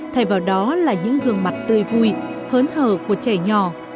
thay vào đó là những gương mặt tươi vui hớn hờ của trẻ nhỏ